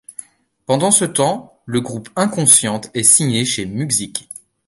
Pendant ce temps, le groupe Inconscientes est signé chez Muxik.